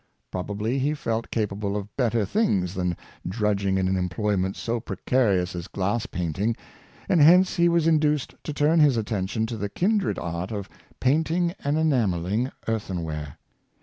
Probably he felt capable of better things than drudging in an em ployment so precarious as glass painting, and hence he was induced to turn his attention to the kindred art of painting and enamelling earthenware.